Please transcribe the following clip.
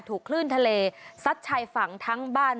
ถูกคลื่นทะเลซัดชายฝั่งทั้งบ้าน